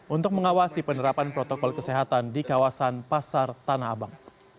untuk mengawasi penerapan protokol kesehatan di kawasan pasar tanah abang